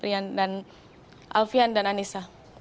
rian dan alfian dan anissa